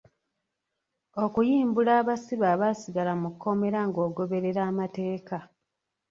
Okuyimbula abasibe abaasigala mu kkomera ng’ogoberera amateeka.